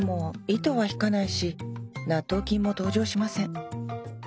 糸は引かないし納豆菌も登場しません。